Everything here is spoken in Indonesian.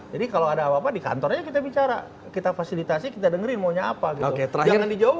jadi kalau ada apa apa di kantornya kita bicara kita fasilitasi kita dengerin maunya apa gitu